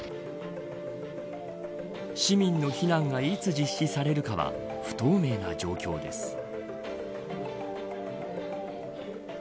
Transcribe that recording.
市民の避難がいつ実施されるかは不透明な状況です。